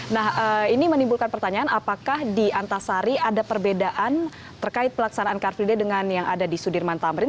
nah ini menimbulkan pertanyaan apakah di antasari ada perbedaan terkait pelaksanaan car free day dengan yang ada di sudirman tamrin